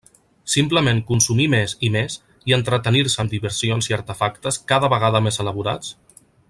Simplement consumir més i més, i entretenir-se amb diversions i artefactes cada vegada més elaborats?